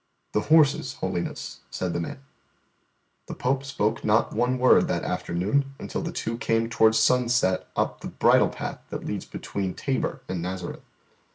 "The horses, Holiness," said the man. The Pope spoke not one word that afternoon, until the two came towards sunset up the bridle path that leads between Thabor and Nazareth.